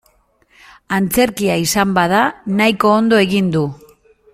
Antzerkia izan bada nahiko ondo egin du.